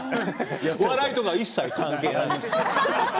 笑いとか一切関係ない。